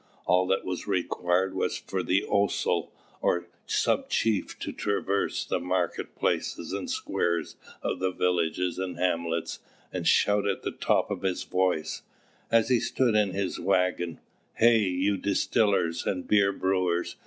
All that was required was for the Osaul or sub chief to traverse the market places and squares of the villages and hamlets, and shout at the top of his voice, as he stood in his waggon, "Hey, you distillers and beer brewers!